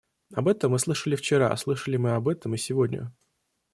Об этом мы слышали вчера, слышали мы об этом и сегодня.